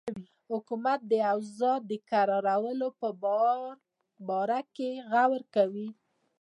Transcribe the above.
حکومت د اوضاع د کرارولو په باره کې غور کوي.